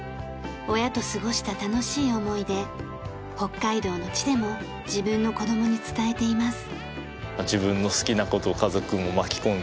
親と過ごした楽しい思い出北海道の地でも自分の子どもに伝えています。